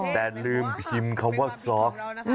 แต่ลืมพิมพ์คำว่าซอส